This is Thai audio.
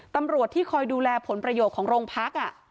ตำรวจที่คอยดูแลผลประโยชน์ของโรงพัก